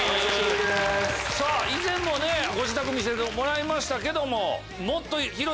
以前もご自宅見せてもらいましたけどももっと。